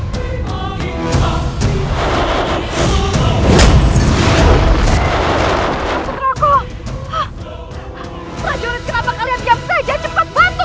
rajulis kenapa kalian biar saja cepat bantu